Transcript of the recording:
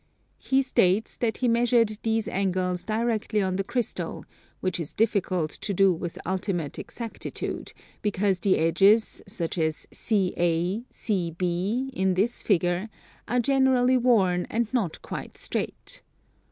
He states that he measured these angles directly on the crystal, which is difficult to do with ultimate exactitude, because the edges such as CA, CB, in this figure, are generally worn, and not quite straight.